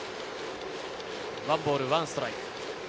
１ボール１ストライク。